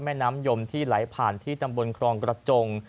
แม่น้ำยมที่ไหลผ่านที่ตำบลครองกระจง